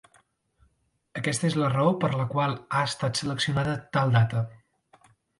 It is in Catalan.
Aquesta és la raó per la qual ha estat seleccionada tal data.